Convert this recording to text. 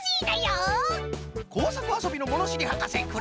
こうさくあそびのものしりはかせクラフトじゃ！